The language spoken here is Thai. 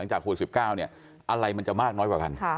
หลังจากโคล๑๙เนี่ยอะไรมันจะมากน้อยกว่ากัน